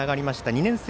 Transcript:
２年生